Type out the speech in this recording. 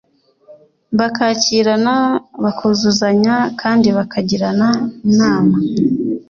bakakirana, bakuzuzanya kandi bakagirana inama.